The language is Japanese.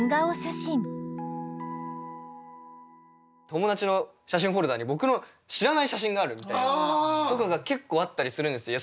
友達の写真フォルダに僕の知らない写真があるみたいな。とかが結構あったりするんですよ。